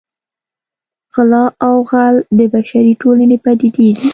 غلا او غل د بشري ټولنې پدیدې دي